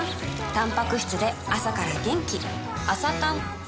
たんぱく質で朝から元気